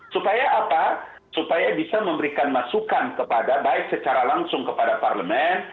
supaya apa supaya bisa memberikan masukan kepada baik secara langsung kepada parlemen